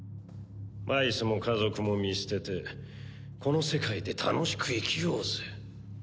バイスも家族も見捨ててこの世界で楽しく生きようぜ。